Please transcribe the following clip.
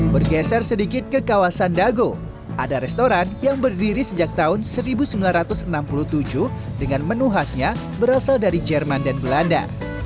bergeser sedikit ke kawasan dago ada restoran yang berdiri sejak tahun seribu sembilan ratus enam puluh tujuh dengan menu khasnya berasal dari jerman dan belanda